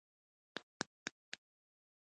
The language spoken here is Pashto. ستا له هغه زاړه نوکر سره چې پر مخه راغی ټکر وکړم.